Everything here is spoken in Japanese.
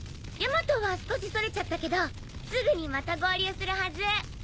ヤマトは少しそれちゃったけどすぐにまた合流するはず。